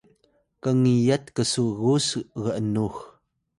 kngiyat ksgus g’nux